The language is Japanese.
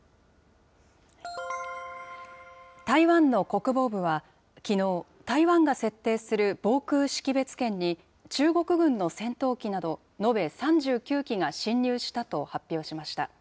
台湾の国防部は、きのう、台湾が設定する防空識別圏に、中国軍の戦闘機など、延べ３９機が進入したと発表しました。